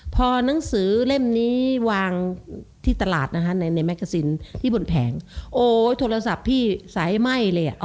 พอหนังสือเล่มนี้วางที่ตลาดนะคะในในแกซินที่บนแผงโอ้ยโทรศัพท์พี่สายไหม้เลยอ่ะ